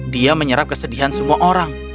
dia menyerap kesedihan semua orang